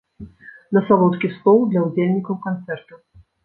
На салодкі стол для ўдзельнікаў канцэрта.